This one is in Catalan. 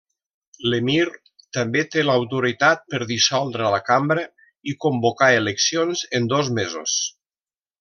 L'emir també té l'autoritat per dissoldre la cambra i convocar eleccions en dos mesos.